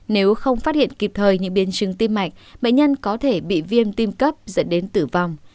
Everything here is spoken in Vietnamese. nếu không phát hiện kịp thời những biến chứng tim mạch bệnh nhân có thể bị viêm tim cấp dẫn đến tử vong